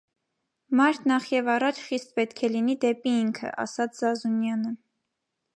- Մարդ նախ և առաջ խիստ պետք է լինի դեպի ինքը,- ասաց Զազունյանը: